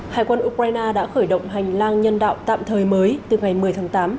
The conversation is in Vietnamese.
hải quân ukraine đã khởi động hành lang nhân đạo tạm thời mới từ ngày một mươi tháng tám